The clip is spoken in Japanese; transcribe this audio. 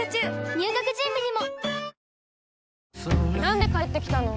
入学準備にも！